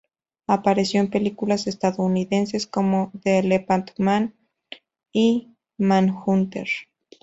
Apareció en películas estadounidenses como "The Elephant Man" y "Manhunter".